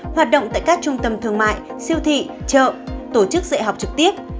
hoạt động tại các trung tâm thương mại siêu thị chợ tổ chức dạy học trực tiếp